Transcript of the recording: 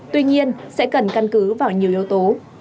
tuy nhiên sẽ cần căn cứ vào nhiều yếu tố